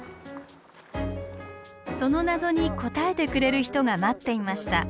その謎に答えてくれる人が待っていました。